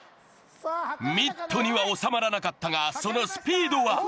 ミットには収まらなかったがそのスピードは？